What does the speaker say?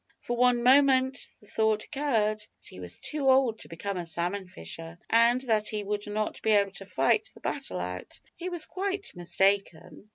For one moment the thought occurred that he was too old to become a salmon fisher, and that he would not be able to fight the battle out. He was quite mistaken.